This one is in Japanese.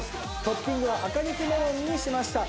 トッピングは赤肉メロンにしました。